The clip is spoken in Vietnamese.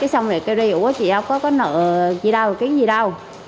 xong rồi kêu đi ủa chị đâu có nợ gì đâu cái gì đâu